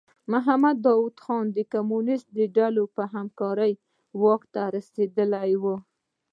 محمد داوود د کمونیستو ډلو په همکارۍ واک ته رسېدلی و.